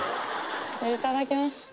いただきます